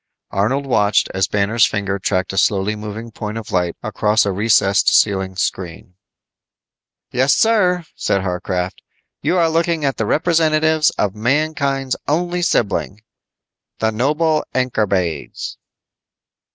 Arnold watched as Banner's finger tracked a slowly moving point of light across a recessed ceiling screen. "Yes, sir," said Warcraft, "you are looking at the representatives of mankind's only sibling. The noble Ankorbades."